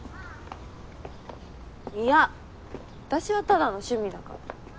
いや私はただの趣味だから。